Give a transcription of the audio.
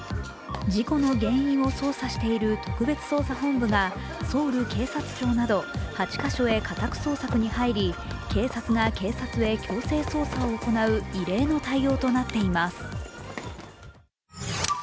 事故の原因を捜査している特別捜査本部がソウル警察庁など８か所へ家宅捜索に入り警察が警察へ強制捜査を行う異例の対応となっています。